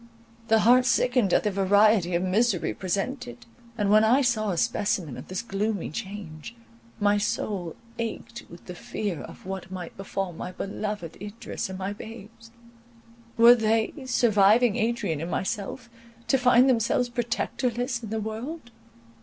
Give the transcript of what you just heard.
The heart sickened at the variety of misery presented; and, when I saw a specimen of this gloomy change, my soul ached with the fear of what might befall my beloved Idris and my babes. Were they, surviving Adrian and myself, to find themselves protectorless in the world?